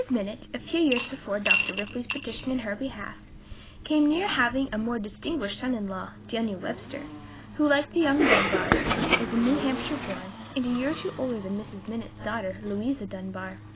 Minott, a few years before Dr. Ripley's petition in her behalf, came near having a more distinguished son in law, Daniel Webster, who, like the young Dunbars, was New Hampshire born, and a year or two older than Mrs. Minott's daughter, Louisa Dunbar.